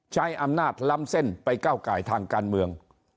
ใช้อำนาจล้ำเส้นไปก้าวไก่ทางการเมือง